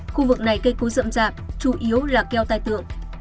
khu vực này cây cối rậm rạp chủ yếu là keo tài tượng